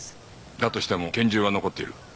だとしても拳銃は残っている。